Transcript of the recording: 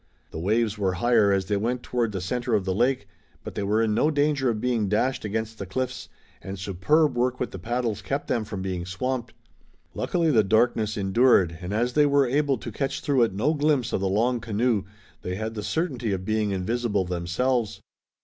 The waves were higher as they went toward the center of the lake, but they were in no danger of being dashed against the cliffs, and superb work with the paddles kept them from being swamped. Luckily the darkness endured, and, as they were able to catch through it no glimpse of the long canoe, they had the certainty of being invisible themselves.